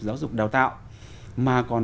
giáo dục đào tạo mà còn